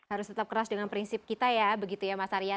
harus tetap keras dengan prinsip kita ya begitu ya mas arya